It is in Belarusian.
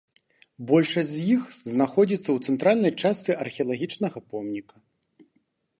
Большасць з іх знаходзіцца ў цэнтральнай частцы археалагічнага помніка.